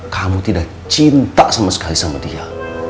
kamu tidak cinta sama sekali sama dia